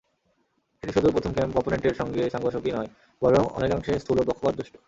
এটি শুধু প্রথম কম্পোনেন্টের সঙ্গে সাংঘর্ষিকই নয়, বরং অনেকাংশে স্থূল পক্ষপাতদুষ্ট।